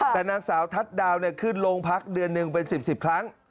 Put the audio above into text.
แต่นางสาวทัดดาวน์เนี่ยขึ้นโรงพักเดือนหนึ่งเป็นสิบครั้ง